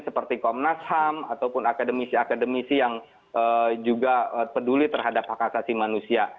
seperti komnas ham ataupun akademisi akademisi yang juga peduli terhadap hak asasi manusia